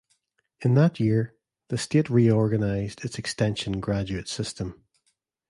In that year, the state reorganized its extension graduate system.